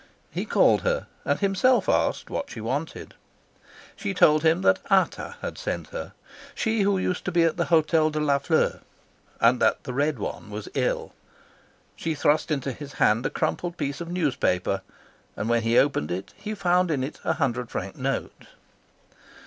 He called her, and himself asked what she wanted. She told him that Ata had sent her, she who used to be at the Hotel de la Fleur, and that the Red One was ill. She thrust into his hand a crumpled piece of newspaper, and when he opened it he found in it a hundred franc note.